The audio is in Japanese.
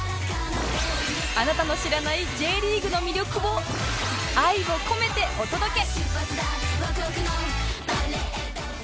あなたの知らない Ｊ リーグの魅力を愛を込めてお届け！